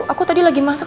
aku tadi lagi masak